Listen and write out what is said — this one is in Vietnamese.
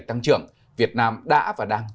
tăng trưởng việt nam đã và đang